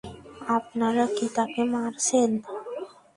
আপনারা কি তাকে মারছেন?